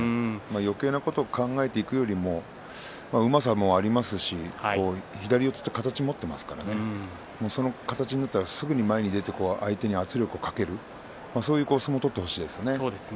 よけいなことを考えていくよりもうまさもありますし左四つという形も持っていますからその形になったらすぐに前に出て相手に圧力をかけてそういう相撲取ってほしいですね。